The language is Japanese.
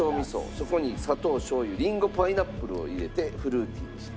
そこに砂糖しょう油リンゴパイナップルを入れてフルーティーにした。